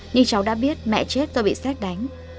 như cháu đã biết mẹ chết do bị xét đánh